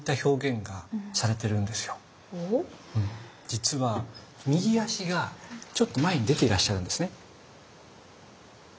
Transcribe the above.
実は右足がちょっと前に出ていらっしゃるんですね。